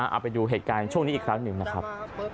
เอาไปดูเหตุการณ์ช่วงนี้อีกครั้งหนึ่งนะครับ